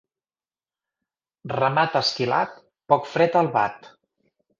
Ramat esquilat, poc fred el bat.